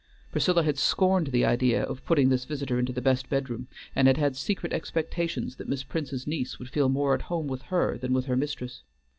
Priscilla had scorned the idea of putting this visitor into the best bedroom, and had had secret expectations that Miss Prince's niece would feel more at home with her than with her mistress.